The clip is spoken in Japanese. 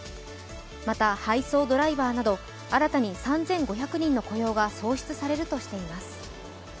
また配送ドライバーなど新たに３５００人の雇用が創出されるとしています。